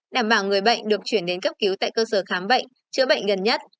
đảm bảo người bệnh được chuyển đến cấp cứu tại cơ sở khám bệnh chữa bệnh gần nhất